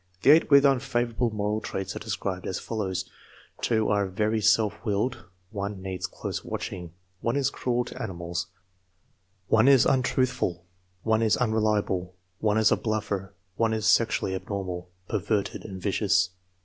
The eight with unfavor able moral traits are described as follows: are "very self willed"; 1 "needs close watching"; 1 is "cruel to animals"; 1 is "untruthful"; 1 is "unreliable"; 1 is "a bluffer"; 1 is "sexually abnormal," "perverted," and "vicious."